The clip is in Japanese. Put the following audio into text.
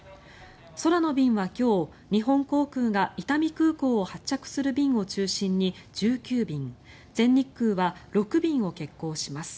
空の便は今日、日本航空が伊丹空港を発着する便を中心に１９便全日空は６便を欠航します。